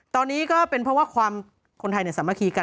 ตอนนี้ก็เป็นเพราะว่าความคนไทยสามัคคีกัน